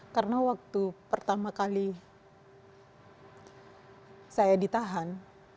karena waktu pertama kali saya ditahan